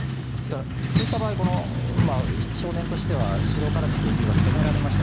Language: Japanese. そういった場合、少年としてはスシローからの請求が認められました。